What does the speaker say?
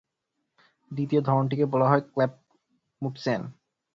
দ্বিতীয় ধরনটিকে বলা হয় "ক্ল্যাপমুটসেন"।